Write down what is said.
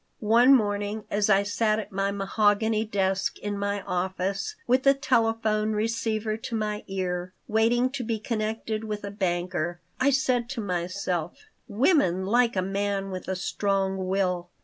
One morning as I sat at my mahogany desk in my office, with the telephone receiver to my ear, waiting to be connected with a banker, I said to myself: "Women like a man with a strong will.